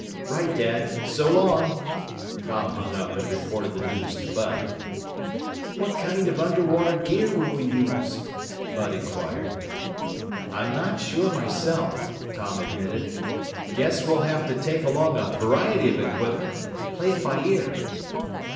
"Right, Dad. So long!" Tom hung up and reported the news to Bud. "What kind of underwater gear will we use?" Bud inquired. "I'm not sure myself," Tom admitted. "Guess we'll have to take along a variety of equipment and play it by ear."